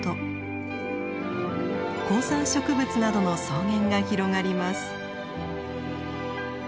高山植物などの草原が広がります。